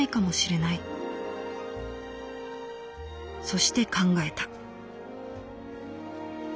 そして考えた」。